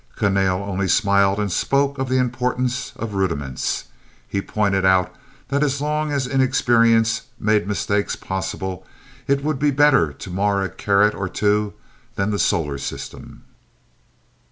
Kahnale only smiled and spoke of the importance of rudiments. He pointed out that as long as inexperience made mistakes possible it would be better to mar a carrot or two than the solar system.